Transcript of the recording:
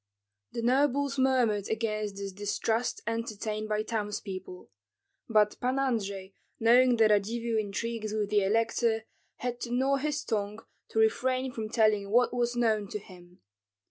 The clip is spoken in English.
The nobles murmured against this distrust entertained by townspeople; but Pan Andrei, knowing the Radzivill intrigues with the elector, had to gnaw his tongue to refrain from telling what was known to him.